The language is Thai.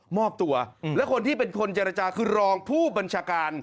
มอบตัวและคนที่เป็นคนเจรจาคือรองผู้บัญชาการ